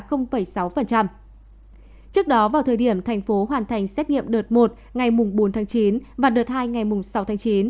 trước đó vào thời điểm thành phố hoàn thành xét nghiệm đợt một ngày bốn tháng chín và đợt hai ngày mùng sáu tháng chín